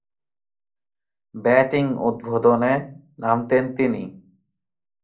Batting উদ্বোধনে নামতেন তিনি।